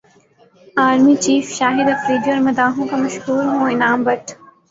army چیفشاہد Afridi اور مداحوں کا مشکور ہوں انعام بٹ